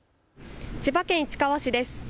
千葉県市川市です。